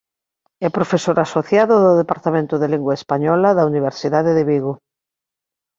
É profesor asociado do Departamento de Lingua Española da Universidade de Vigo.